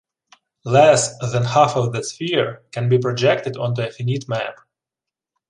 Less than half of the sphere can be projected onto a finite map.